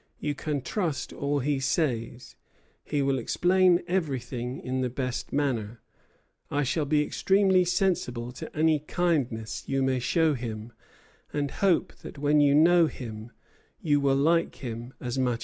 You can trust all he says. He will explain everything in the best manner. I shall be extremely sensible to any kindness you may show him, and hope that when you know him you will like him as much as I do."